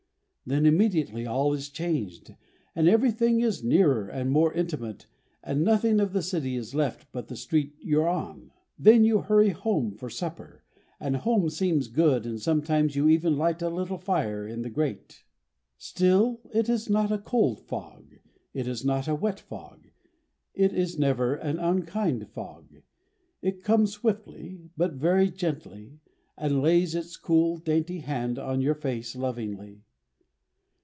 Then immediately all is changed and everything is nearer and more intimate and nothing of the city is left but the street you're on. Then you hurry home for supper and home seems good and sometimes you even light a little fire in the grate. Still it is not a cold fog, it is not a wet fog, it is never an unkind fog. It comes swiftly, but very gently, and lays its cool, dainty hand on your face lovingly.